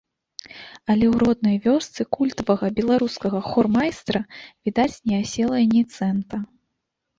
Але ў роднай вёсцы культавага беларускага хормайстра, відаць, не асела ні цэнта.